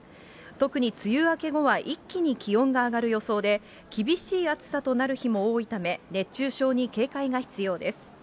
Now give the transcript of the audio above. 特に梅雨明け後は一気に気温が上がる予想で、厳しい暑さとなる日も多いため、熱中症に警戒が必要です。